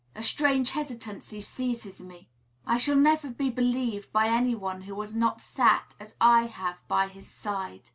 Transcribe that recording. A strange hesitancy seizes me. I shall never be believed by any one who has not sat as I have by his side.